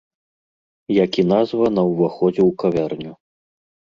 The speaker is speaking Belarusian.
Як і назва на ўваходзе ў кавярню.